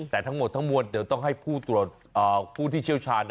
แต่ทั้งหมดทั้งมวลเดี๋ยวต้องให้ผู้ที่เชี่ยวชาญ